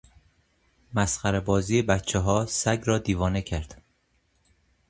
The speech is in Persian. مسخرهبازی بچهها سگ را دیوانه کرد.